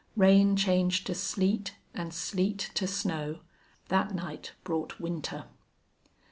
Rain changed to sleet and sleet to snow. That night brought winter.